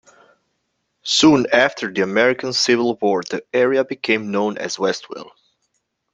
Soon after the American Civil War, the area became known as Westville.